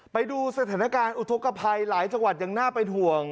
ไปดูสถานการณ์อุทธกภัยหลายจังหวัดยังน่าเป็นห่วง